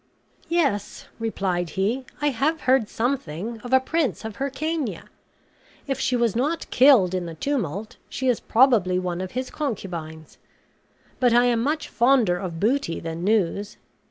"Yes," replied he, "I have heard something of a prince of Hircania; if she was not killed in the tumult, she is probably one of his concubines; but I am much fonder of booty than news.